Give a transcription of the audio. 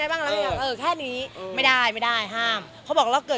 อย่างเงี้ยไม่ได้เลย